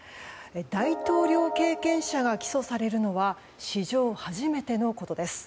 大統領経験者が起訴されるのは史上初めてのことです。